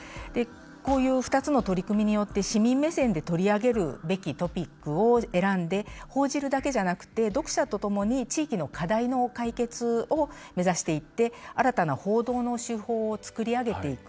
こういう２つの取り組みによって市民目線で取り上げるべきトピックを選んで報じるだけじゃなくて読者と共に地域の課題の解決を目指していって新たな報道の手法を作り上げていく。